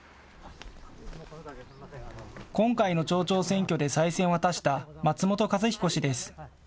今回の町長選挙で再選を果たした松本一彦氏です。